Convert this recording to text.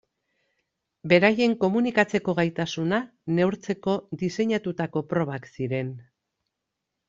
Beraien komunikatzeko gaitasuna neurtzeko diseinatutako probak ziren.